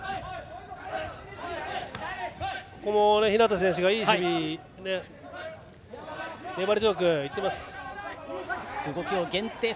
日向選手がいい守備粘り強くいっています。